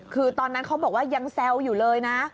คือตอนนั้นเขาบอกว่ายังแซวอยู่เลยนะ